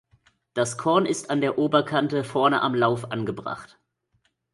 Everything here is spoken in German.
Das Korn ist an der Oberkante vorne am Lauf angebracht.